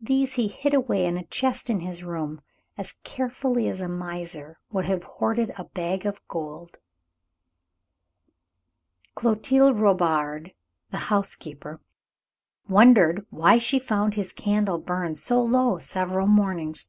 These he hid away in a chest in his room, as carefully as a miser would have hoarded a bag of gold. Clotilde Robard, the housekeeper, wondered why she found his candle burned so low several mornings.